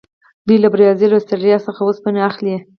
دوی له برازیل او اسټرالیا څخه اوسپنه اخلي.